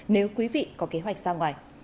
nếu quý vị có kế hoạch ra ngoài